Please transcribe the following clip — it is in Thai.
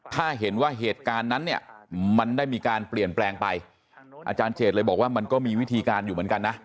ถ้าเห็นว่าเหตุการณ์นั้นเนี่ยมันได้มีการเปลี่ยนแปลงไปอาจารย์เจดเลยบอกว่ามันก็มีวิธีการอยู่เหมือนกันนะ